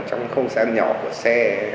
trong không gian nhỏ của xe